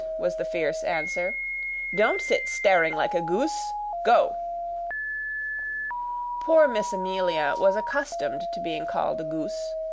was the fierce answer. "Don't sit staring like a goose. Go!" Poor Miss Amelia was accustomed to being called a goose.